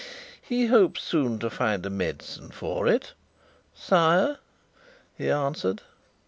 "He hopes soon to find a medicine for it, sire," he answered.